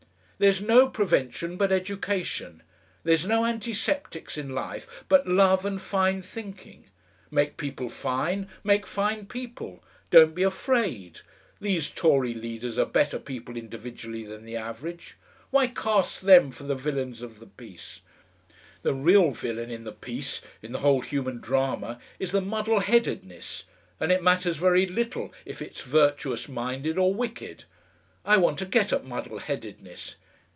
"There's no prevention but education. There's no antiseptics in life but love and fine thinking. Make people fine, make fine people. Don't be afraid. These Tory leaders are better people individually than the average; why cast them for the villains of the piece? The real villain in the piece in the whole human drama is the muddle headedness, and it matters very little if it's virtuous minded or wicked. I want to get at muddle headedness.